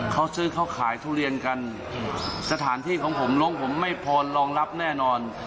เขาซื้อเขาขายทุเรียนกันสถานที่ของผมลงผมไม่พอรองรับแน่นอน